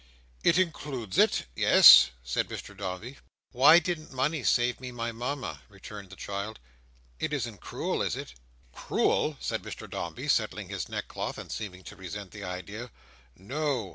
"It includes it: yes," said Mr Dombey. "Why didn't money save me my Mama?" returned the child. "It isn't cruel, is it?" "Cruel!" said Mr Dombey, settling his neckcloth, and seeming to resent the idea. "No.